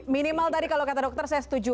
minimal tadi kalau kata dokter saya setuju